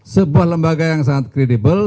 sebuah lembaga yang sangat kredibel